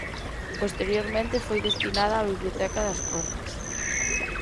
Posteriormente foi destinada á Biblioteca das Cortes.